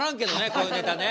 こういうネタね。